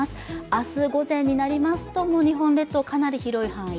明日午前になりますともう日本列島、かなり広い範囲。